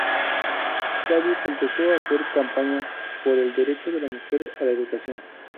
Davies empezó a hacer campaña por el derecho de la mujer a la educación.